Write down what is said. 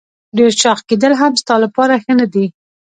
ډېر چاغ کېدل هم ستا لپاره ښه نه دي.